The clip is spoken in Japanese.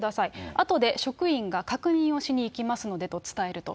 あとで職員が確認をしに行きますのでと伝えると。